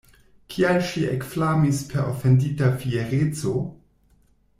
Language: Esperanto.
Kial ŝi ekflamis per ofendita fiereco?